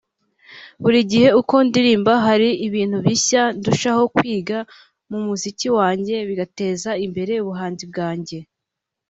Buri gihe uko ndirimba hari ibintu bishya ndushaho kwiga mu muziki wanjye bigateza imbere ubuhanzi bwanjye